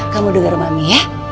kamu denger mami ya